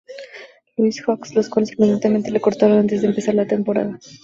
Louis Hawks, los cuales sorprendentemente le cortaron antes de empezar la temporada.